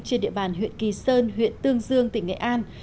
trên địa bàn huyện kỳ sơn huyện tương dương tỉnh nghệ an